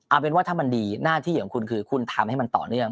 เอาเป็นว่าถ้ามันดีหน้าที่ของคุณคือคุณทำให้มันต่อเนื่อง